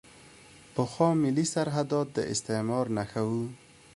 پخوا ملي سرحدات د استعمار نښه وو.